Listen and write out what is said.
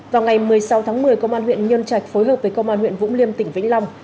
vào ngày một mươi sáu tháng một mươi công an huyện nhân trạch phối hợp với công an huyện vũng liêm tỉnh vĩnh long